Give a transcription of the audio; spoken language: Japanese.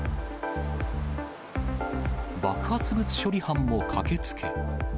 爆発物処理班も駆けつけ。